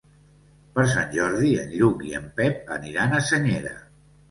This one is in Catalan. Per Sant Jordi en Lluc i en Pep aniran a Senyera.